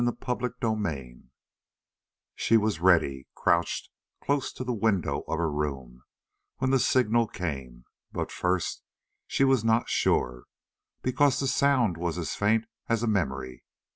CHAPTER 26 She was ready, crouched close to the window of her room, when the signal came, but first she was not sure, because the sound was as faint as a memory.